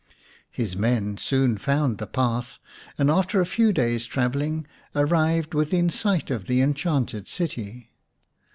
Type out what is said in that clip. His men soon found the path, and after a few days' travelling arrived within sight of the enchanted city.